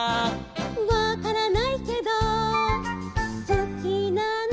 「わからないけどすきなんだ」